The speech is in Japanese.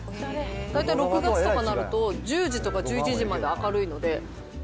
大体６月とかなると、１０時とか１１時とかまで明るいので。